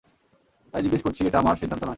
তাই জিজ্ঞেস করছি, এটা আমার সিদ্ধান্ত নয়।